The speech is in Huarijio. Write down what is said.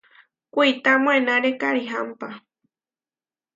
Kuitá moenáre karihámpa.